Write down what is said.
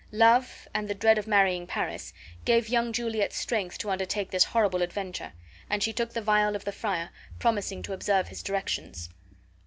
Love, and the dread of marrying Paris, gave young Juliet strength to undertake this horrible adventure; and she took the vial of the friar, promising to observe his directions.